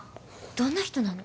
どんな人なの？